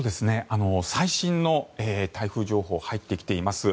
最新の台風情報が入ってきています。